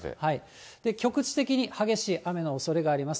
局地的に激しい雨のおそれがあります。